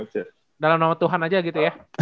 dalam nama tuhan aja gitu ya